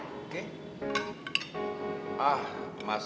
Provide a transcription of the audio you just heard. enggak usah mas